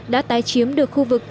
đã tái chiếm được khu vực